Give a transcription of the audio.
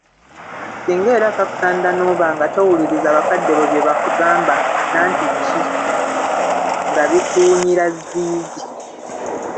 Singa era kakutanda n'oba nga towuliriza bakadde bo bye bakugamba nantiki nga bikuwunyira zziizi.